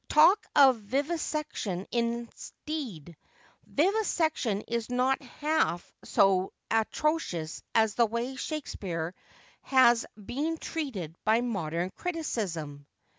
Talk of vivisection indeed, vivisection is not half so atrocious as the way Shakespeare has been treated by modern criticism